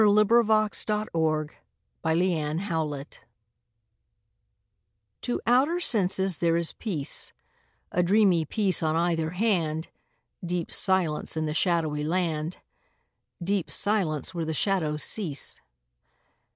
fi4S] II LA FUITE DE LA LUNE TO outer senses there is peace, A dreamy peace on either hand, Deep silence in the shadowy land, Deep silence where the shadows cease.